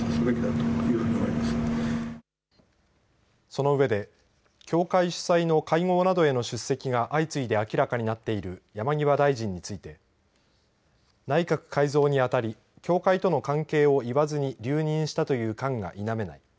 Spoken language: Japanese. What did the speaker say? その上で教会主催の会合などへの出席が相次いで明らかになっている山際大臣について内閣改造にあたり教会との関係を言わずに留任したという感が否めない。